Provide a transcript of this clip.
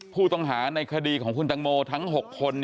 ผู้ต้องหาในคดีของคุณตังโมทั้ง๖คน